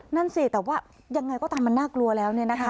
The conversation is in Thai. นั่นสิแต่ว่ายังไงก็ตามมันน่ากลัวแล้วเนี่ยนะคะ